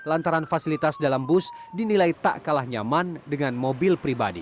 lantaran fasilitas dalam bus dinilai tak kalah nyaman dengan mobil pribadi